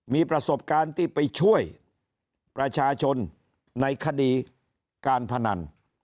มีประสบการณ์ที่ไปช่วยประชาชนในคดีการพนัน